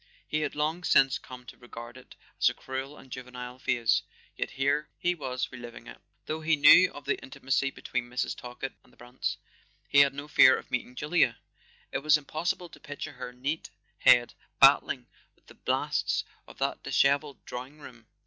He had long since come to regard it as a crude and juvenile phase—yet here he was reliving it. Though he knew of the intimacy between Mrs. Tal kett and the Brants he had no fear of meeting Julia: it was impossible to picture her neat head battling with the blasts of that dishevelled drawing room.